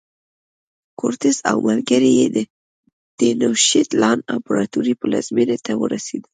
کورټز او ملګري یې د تینوشیت لان امپراتورۍ پلازمېنې ته ورسېدل.